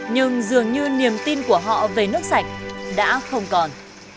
nhưng dường như niềm tin của họ về nước sạch đã không còn